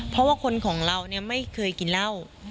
เพราะว่าคนของเราเนี่ยไม่เคยกินเหล้า